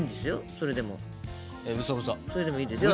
それでもいいですよ